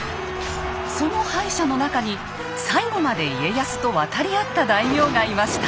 その敗者の中に最後まで家康と渡りあった大名がいました。